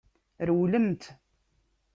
Rewlemt!